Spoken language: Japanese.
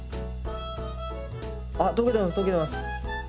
あ溶けてます溶けてます。